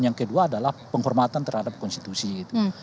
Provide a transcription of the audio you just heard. yang kedua adalah penghormatan terhadap konstitusi gitu